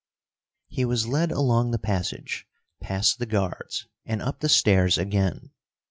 He was led along the passage, past the guards, and up the stairs again.